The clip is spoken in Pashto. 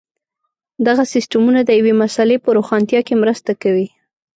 دغه سیسټمونه د یوې مسئلې په روښانتیا کې مرسته کوي.